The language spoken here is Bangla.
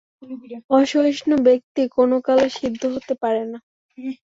অসহিষ্ণু ব্যক্তি কোন কালে সিদ্ধ হতে পারে না।